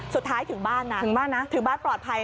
สุดท้ายถึงบ้านนักถึงบ้านปลอดภัย